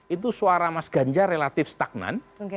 itu suara mas ganjar relatif stagnan